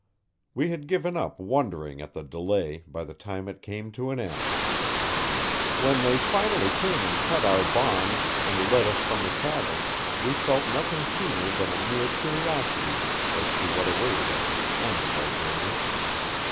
We had given up wondering at the delay by the time it came to an end. When they finally came and cut our bonds and led us from the cavern we felt nothing keener than a mere curiosity as to what awaited us at the end of our journey.